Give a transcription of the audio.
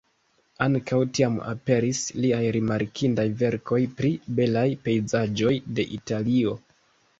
Ankaŭ tiam aperis liaj rimarkindaj verkoj pri belaj pejzaĝoj de Italio.